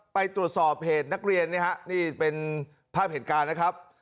ไปตรวจสอบเหตุนักเรียนเนี่ยฮะนี่เป็นภาพเหตุการณ์นะครับ